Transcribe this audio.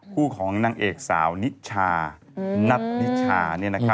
คู่ของนางเอกสาวนิชานัทนิชา